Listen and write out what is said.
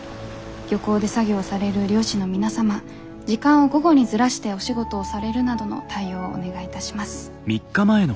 漁港で作業される漁師の皆様時間を午後にずらしてお仕事をされるなどの対応をお願いいたします。